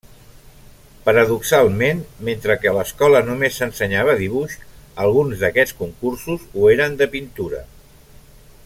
Paradoxalment, mentre que a l'Escola només s'ensenyava dibuix, alguns d'aquests concursos ho eren de pintura.